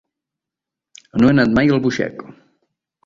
No he anat mai a Albuixec.